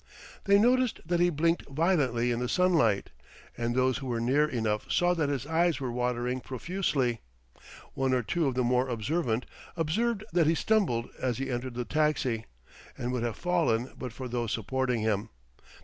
They noticed that he blinked violently in the sunlight, and those who were near enough saw that his eyes were watering profusely. One or two of the more observant observed that he stumbled as he entered the taxi, and would have fallen but for those supporting him.